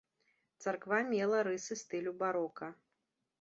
Царква мела рысы стылю барока.